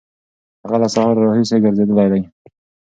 هغه له سهاره راهیسې ګرځېدلی دی.